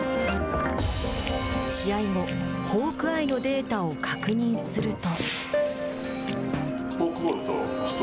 試合後、ホークアイのデータを確認すると。